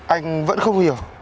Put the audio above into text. anh vẫn không hiểu